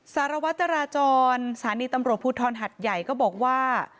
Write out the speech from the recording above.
สารวัตรจราจรสถานีตำรวจภูทรหัดใหญ่ก็บอกว่า